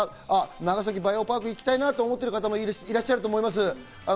長崎バイオパークに行きたいなと思ってる方もいらっしゃると思います。